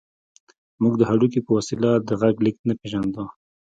موږ د هډوکي په وسيله د غږ لېږد نه پېژاند.